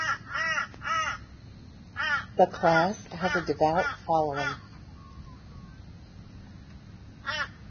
The class has a devout following.